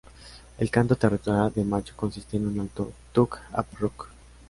El canto territorial del macho consiste en un alto "tuk-a-prruk".